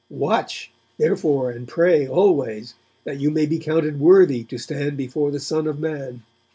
Watch, therefore and pray always, that you may be counted worthy to stand before the Son of Man.'